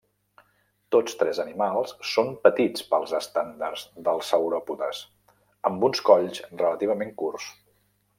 Tots tres animals són petits pels estàndards dels sauròpodes, amb uns colls relativament curts.